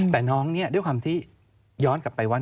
แต่น้องเนี่ยด้วยความที่ย้อนกลับไปว่า